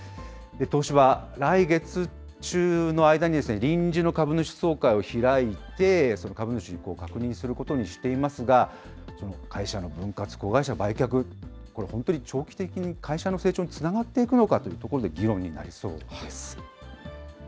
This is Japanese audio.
東芝、来月中の間に、臨時の株主総会を開いて、その株主に確認することにしていますが、会社の分割、子会社売却、これ、本当に長期的に会社の成長につながっていくのかというところで議論になりそうです。